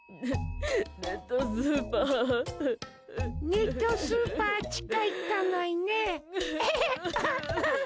ネットスーパーちか行かないねえ。